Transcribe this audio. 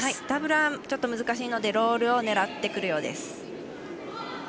ダブルは難しいのでロールを狙ってくるようです。